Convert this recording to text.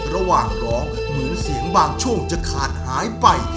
ระหว่างร้องเหมือนเสียงบางช่วงจะขาดหายไป